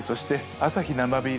「アサヒ生ビール」